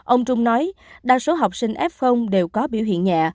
ông trung nói đa số học sinh f đều có biểu hiện nhẹ